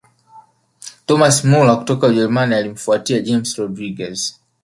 thomas muller kutoka ujerumani alimfuatia james rodriguez